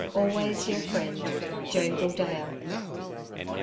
Always your friend, JOAN GILDEA.